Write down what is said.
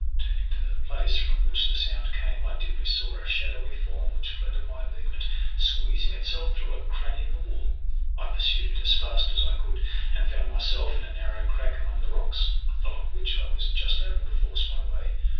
Turning to the place from which the sound came I dimly saw a shadowy form which fled at my movement, squeezing itself through a cranny in the wall. I pursued it as fast as I could, and found myself in a narrow crack among the rocks, along which I was just able to force my way.